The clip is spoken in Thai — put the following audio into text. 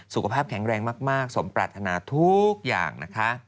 สุขภาพแข็งแรงมากสมปรัฐนาทุกอย่างนะคะ